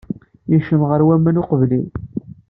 Yekcem ɣer waman uqbel-iw.